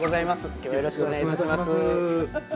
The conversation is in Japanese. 今日はよろしくお願いいたします。